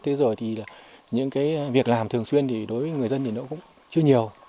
thế rồi thì là những cái việc làm thường xuyên thì đối với người dân thì nó cũng chưa nhiều